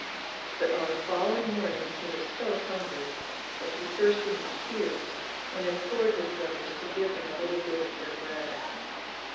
But on the following morning he was so hungry that he burst into tears, and implored his brothers to give him a little bit of their bread.